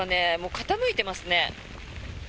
傾いていますね。